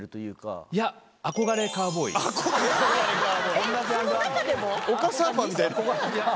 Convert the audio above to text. その中でも？